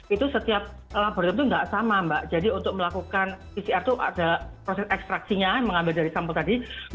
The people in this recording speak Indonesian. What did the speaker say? itu setiap laboratorium itu tidak sama mbak jadi untuk melakukan pcr itu ada proses ekstraksinya mengambil dari sampel tadi